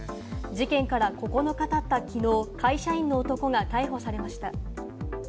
事件から９日たったきのう、会社員の男が逮捕されました。